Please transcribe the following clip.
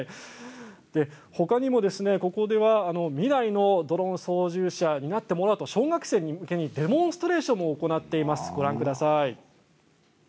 ほかにも、ここでは未来のドローン操縦者になってもらおうと小学生向けにデモンストレーションも行っています。